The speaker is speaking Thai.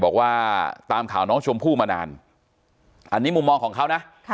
บอกว่าตามข่าวน้องชมพู่มานานอันนี้มุมมองของเขานะ